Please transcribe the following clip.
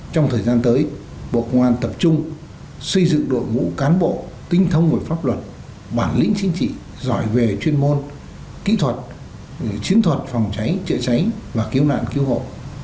trong thời gian tới bộ công an tập trung xây dựng đội ngũ cán bộ tinh thông về pháp luật bản lĩnh chính trị giỏi về chuyên môn kỹ thuật chiến thuật phòng cháy chữa cháy và cứu nạn cứu hộ